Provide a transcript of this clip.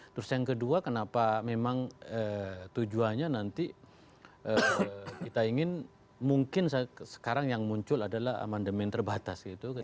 terus yang kedua kenapa memang tujuannya nanti kita ingin mungkin sekarang yang muncul adalah amandemen terbatas gitu